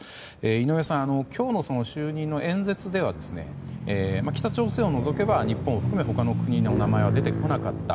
井上さん、今日の就任演説では北朝鮮を除けば日本を含め他の国の名前は出てこなかった。